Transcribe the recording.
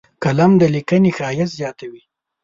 قلم د لیکنې ښایست زیاتوي